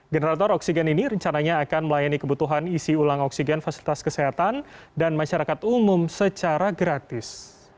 generator oksigen ini rencananya akan melayani kebutuhan isi ulang oksigen fasilitas kesehatan dan masyarakat umum secara gratis